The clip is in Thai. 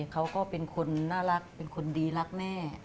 เขาก็เป็นคนน่ารักเป็นคนดีรักแม่